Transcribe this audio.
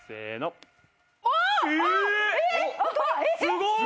すごーい！